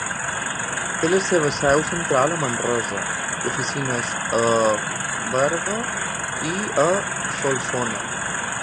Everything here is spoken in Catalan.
Té la seva seu central a Manresa i oficines a Berga i a Solsona.